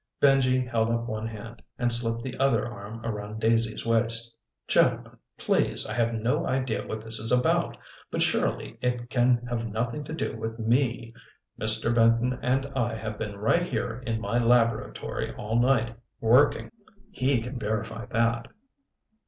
Benji held up one hand and slipped the other arm around Daisy's waist. "Gentlemen, please! I have no idea what this is about. But surely it can have nothing to do with me. Mr. Benton and I have been right here in my laboratory all night, working. He can verify that."